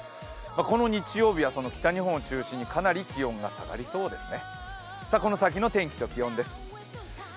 この日曜日は北日本を中心にかなり気温が下がりそうですね。